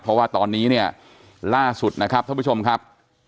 เพราะว่าตอนนี้เนี่ยล่าสุดนะครับท่านผู้ชมครับ